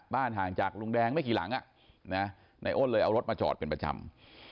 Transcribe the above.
ห่างจากลุงแดงไม่กี่หลังนายอ้นเลยเอารถมาจอดเป็นประจำ